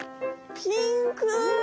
ピンク。